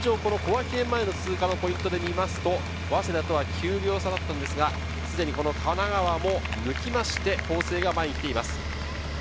小涌園前の通過のポイントでみますと、早稲田とは９秒差だったんですが、すでに神奈川も抜きまして、法政が前に来ています。